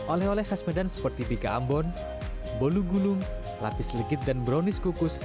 oleh oleh khas medan seperti bika ambon bolu bulung lapis sergit dan buruanis kukus